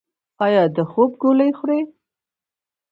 ایا د خوب ګولۍ خورئ؟